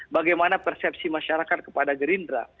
bagaimana persepsi masyarakat kepada gerindra